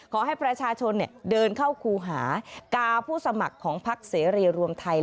ขอให้ประชาชนเดินเข้าครูหากาผู้สมัครของพักเสรีรวมไทย